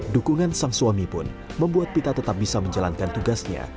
dukungan sang suami pun membuat pita tetap bisa menjalankan tugasnya